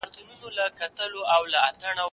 زه د زده کړو تمرين کړی دی!.